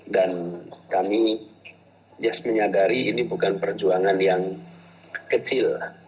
dan kami just menyadari ini bukan perjuangan yang kecil